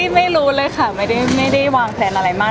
ไม่รู้เลยค่ะไม่ได้วางแพลนอะไรมาก